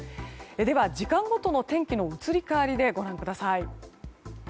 では、時間ごとの天気の移り変わりでご覧ください。